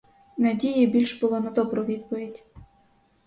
Надії більш було на добру відповідь.